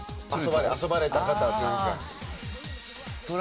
遊ばれた方というか。